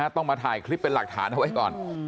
ผมมาถ่ายคลิปเป็นหลักฐานไว้ก่อน